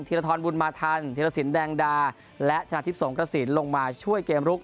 ธรบุญมาทันธิรสินแดงดาและชนะทิพย์สงกระสินลงมาช่วยเกมลุก